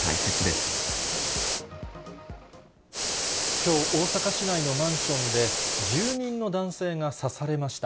きょう、大阪市内のマンションで、住人の男性が刺されました。